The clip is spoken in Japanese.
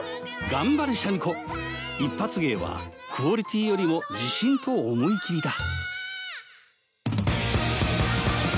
頑張れシャミ子一発芸はクオリティーよりも自信と思い切りだ